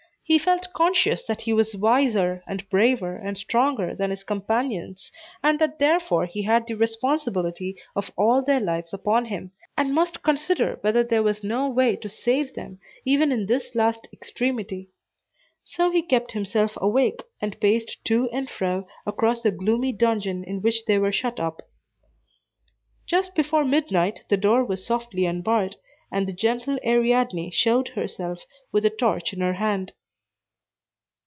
He felt conscious that he was wiser, and braver, and stronger than his companions, and that therefore he had the responsibility of all their lives upon him, and must consider whether there was no way to save them, even in this last extremity. So he kept himself awake, and paced to and fro across the gloomy dungeon in which they were shut up. Just before midnight, the door was softly unbarred, and the gentle Ariadne showed herself, with a torch in her hand.